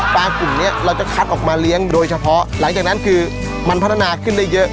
กลุ่มนี้เราจะคัดออกมาเลี้ยงโดยเฉพาะหลังจากนั้นคือมันพัฒนาขึ้นได้เยอะ